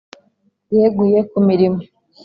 yeguye ku mirimo